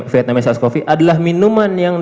vietnamese ice coffee adalah minuman yang